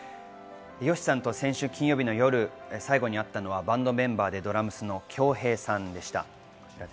ＹＯＳＨＩさんと先週金曜日の夜、最後に会ったのはバンドメンバーでドラムスの恭平さんでした。